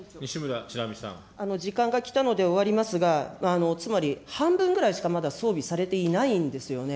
時間が来たので終わりますが、つまり半分ぐらいしかまだ装備されていないんですよね。